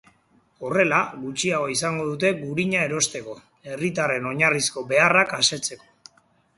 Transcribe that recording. Horrela, gutxiago izango dute gurina erosteko, herritarren oinarrizko beharrak asetzeko.